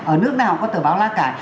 ở nước nào cũng có tờ báo lá cải